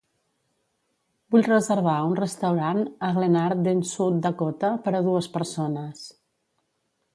Vull reservar un restaurant a Glenarden South Dakota per a dues persones.